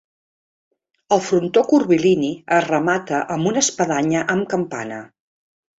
El frontó curvilini es remata amb una espadanya amb campana.